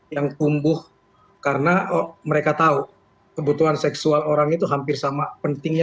yang tumbuh karena mereka tahu kebutuhan seksual orang itu hampir sama pentingnya